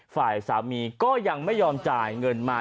ฝ่ายสามีก็ยังไม่ยอมจ่ายเงินมา